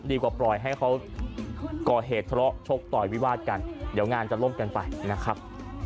ปล่อยให้เขาก่อเหตุทะเลาะชกต่อยวิวาดกันเดี๋ยวงานจะล่มกันไปนะครับ